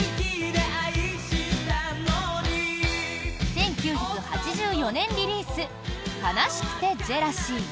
１９８４年リリース「哀しくてジェラシー」。